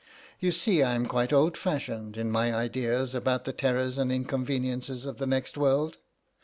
You see I am quite old fashioned in my ideas about the terrors and inconveniences of the next world.